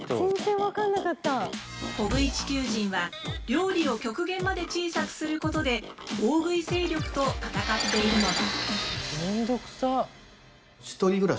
コグイ地球人は料理を極限まで小さくすることでオオグイ勢力と闘っているのだ。